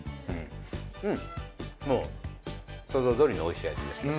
うんもう想像どおりのおいしい味ですよ。